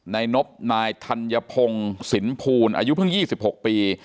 ในนบนายธัญพงศ์สินภูลอายุเพิ่งยี่สิบหัวปี